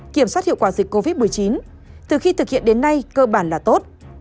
kiểm soát hiệu quả dịch covid một mươi chín từ khi thực hiện đến nay cơ bản là tốt